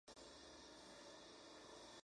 Ocupó estos cargos con gran celo hasta su muerte.